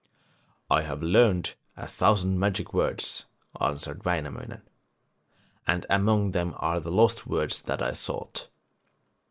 'I have learned a thousand magic words,' answered Wainamoinen, 'and among them are the lost words that I sought.'